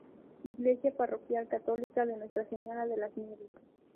Iglesia parroquial católica de Nuestra Señora de las Nieves.